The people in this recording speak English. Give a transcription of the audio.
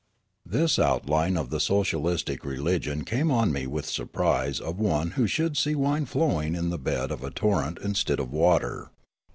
This outline of the socialistic religion came On me with the surprise of one who should see wine flowing in the bed of a torrent instead of water.